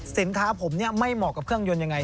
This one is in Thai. สินค้าผมไม่เหมาะกับเครื่องยนต์ยังไง